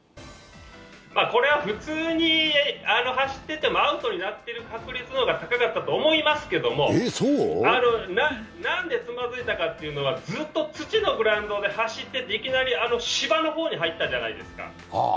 これは普通に走っててもアウトになってる確率の方が高かったと思いますけど、なんでつまずいたかというとずっと土のグラウンドで走ってていきなり芝の方に入ったじゃないですか。